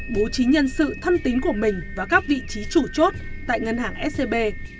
bố trí nhân sự thân tính của mình và các vị trí chủ chốt tại ngân hàng scb